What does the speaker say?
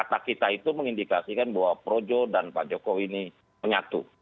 kata kita itu mengindikasikan bahwa projo dan pak jokowi ini menyatu